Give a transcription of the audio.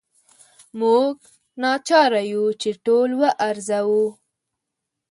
موږ ناچاره یو چې ټول وارزوو.